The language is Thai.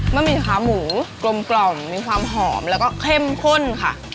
หมี่ขาหมูกลมมีความหอมแล้วก็เข้มข้นค่ะ